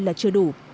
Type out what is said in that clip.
là chưa đủ